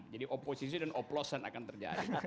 jadi oposisi dan oplosan akan terjadi